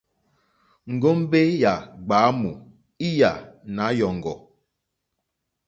Ŋgombe yà gbàamù lyà Nàanyòŋgò.